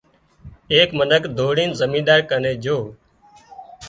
ايڪ منک ڌوڙين زمينۮار ڪنين جھو